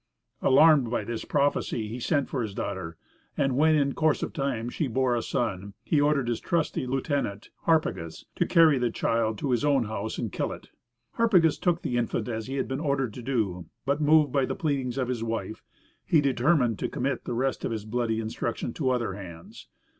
Alarmed by this prophecy he sent for his daughter, and when in course of time she bore a son, he ordered his trusty lieutenant Harpagus to carry the child to his own house and kill it. Harpagus took the infant as he had been ordered to do, but moved by the pleadings of his wife he determined to commit the rest of his bloody instructions to other hands.